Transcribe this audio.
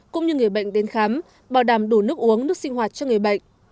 cũng như người bệnh đến khám bảo đảm đủ nước uống nước sinh hoạt cho người bệnh